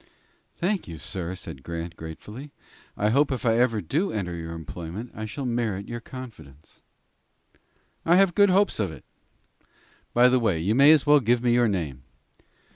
"Thank you, sir," said Grant, gratefully. "I hope if I ever do enter your employment, I shall merit your confidence." "I have good hopes of it. By the way, you may as well give me your name."